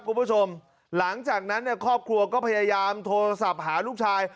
คุณผู้ชมหลังจากนั้นเนี่ยครอบครัวก็พยายามโทรศัพท์หาลูกชาย